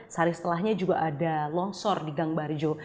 sehari setelahnya juga ada longsor di gang barjo